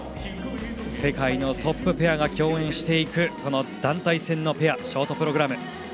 世界のトップペアが競演していくこの団体戦のペア・ショートプログラム。